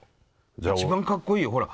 一番かっこいいよほら。